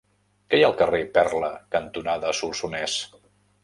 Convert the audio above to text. Què hi ha al carrer Perla cantonada Solsonès?